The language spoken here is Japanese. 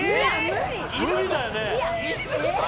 無理だよね。